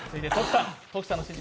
トキさんの指示